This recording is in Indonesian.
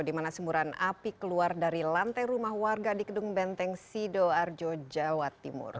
dimana semburan api keluar dari lantai rumah warga di gedung benteng sidoarjo jawa timur